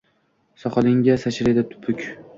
Soqolingga sachraydi tupuk